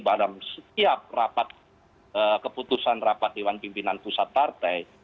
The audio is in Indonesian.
badan setiap keputusan rapat dewan pimpinan pusat partai